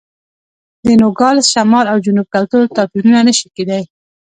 د نوګالس شمال او جنوب کلتور توپیرونه نه شي کېدای.